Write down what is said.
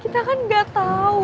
kita kan gak tau